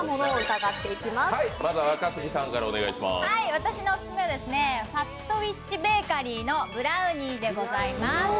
私のオススメはファットウィッチベーカリーのブラウニーでございます。